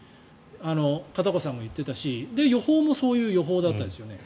片岡さんが言っていたし予報もそういう予報でしたよね。